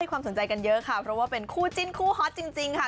ความสนใจกันเยอะค่ะเพราะว่าเป็นคู่จิ้นคู่ฮอตจริงค่ะ